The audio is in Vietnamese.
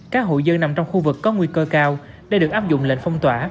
các hội dân nằm trong khu vực có nguy cơ cao để được áp dụng lệnh phong tỏa